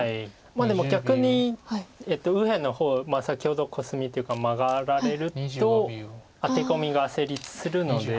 まあでも逆に右辺の方先ほどコスミっていうかマガられるとアテコミが成立するので。